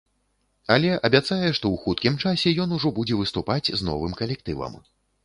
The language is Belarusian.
Але абяцае, што ў хуткім часе ён ужо будзе выступаць з новым калектывам.